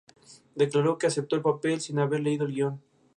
Declaró que aceptó el papel sin haber leído el guion.